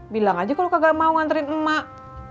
bilang aja kalau nggak mau nganterin mak